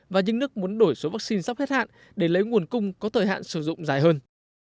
và những nước muốn đổi số vaccine sắp hết hạn để lấy nguồn cung có thời hạn sử dụng dài hơn